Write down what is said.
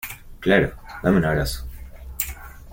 Claro. Dame un abrazo .